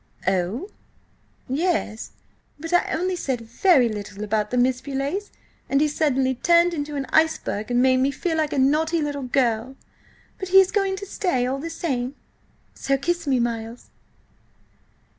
"Oh!" "Yes–but I only said very little about the Miss Beauleighs, and he suddenly turned into an iceberg and made me feel like a naughty little girl. But he is going to stay, all the same; so kiss me, Miles!"